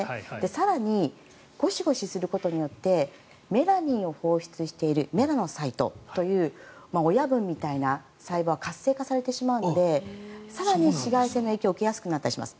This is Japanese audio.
更にゴシゴシすることによってメラニンを放出しているメラノサイトという親分みたいな細胞が活性化されてしまうので更に紫外線の影響を受けやすくなったりします。